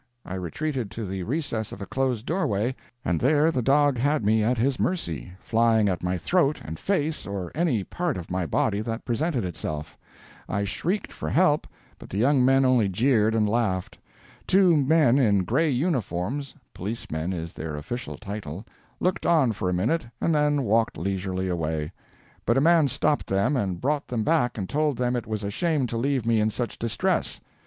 I retreated to the recess of a closed doorway, and there the dog had me at his mercy, flying at my throat and face or any part of my body that presented itself. I shrieked for help, but the young men only jeered and laughed. Two men in gray uniforms (policemen is their official title) looked on for a minute and then walked leisurely away. But a man stopped them and brought them back and told them it was a shame to leave me in such distress.